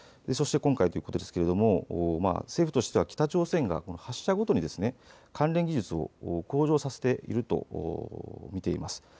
そして今回ということですけれども政府としては北朝鮮が発射ことに関連技術を向上させていると見ています。